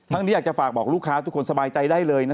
นี้อยากจะฝากบอกลูกค้าทุกคนสบายใจได้เลยนะ